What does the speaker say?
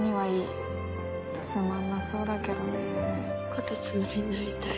「カタツムリになりたい。